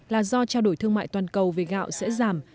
là do trao đổi thương mại toàn cầu về gạo sẽ giảm